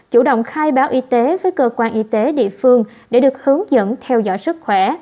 chủ động khai báo y tế với cơ quan y tế địa phương để được hướng dẫn theo dõi sức khỏe